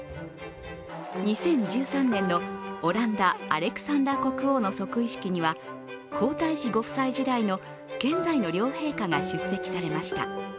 ２０１３年のオランダアレクサンダー国王の即位式には皇太子ご夫妻時代の現在の両陛下が出席されました。